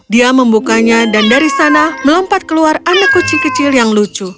dia membukanya dan dari sana melompat keluar anak kucing kecil yang lucu